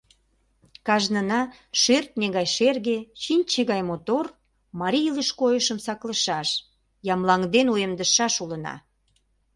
Кажнына шӧртньӧ гай шерге, чинче гай мотор марий илыш-койышым саклышаш, ямлаҥден уэмдышаш улына.